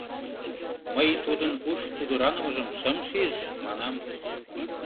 — Мый тудын уш пудыранымыжым шым шиж, — манам.